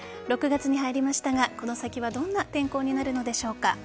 ６月に入りましたがこの先はどんな天候になるのでしょうか。